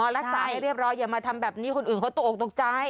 รักษาให้เรียบร้อยอย่ามาทำแบบนี้คนอื่นเขาตกออกตกใจ